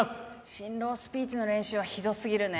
新郎スピーチの練習はひどすぎるね。